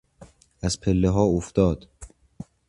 از پلهها افتاد.